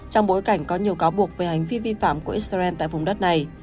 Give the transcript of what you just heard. trong bối cảnh có nhiều cáo buộc về hành vi vi phạm của israel tại vùng đất này